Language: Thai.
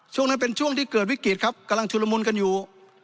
ช่วงนั้นเป็นช่วงที่เกิดวิกฤตครับกำลังชุลมุนกันอยู่